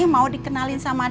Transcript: mau dikenalin sama dede